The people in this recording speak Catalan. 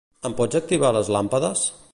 Em pots activar les làmpades?